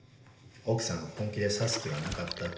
奥さん本気で刺す気はなかったって。